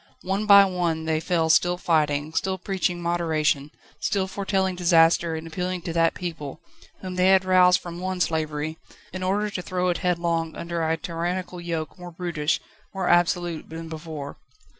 One by one they fell still fighting, still preaching moderation, still foretelling disaster and appealing to that people, whom they had roused from one slavery, in order to throw it headlong under a tyrannical yoke more brutish, more absolute than before.